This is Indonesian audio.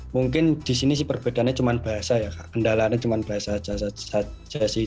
mungkin di sini sih perbedaannya cuma bahasa ya kak kendalanya cuma bahasa saja sih